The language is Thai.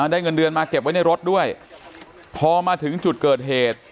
ได้เงินเดือนมาเก็บไว้ในรถด้วยพอมาถึงจุดเกิดเหตุ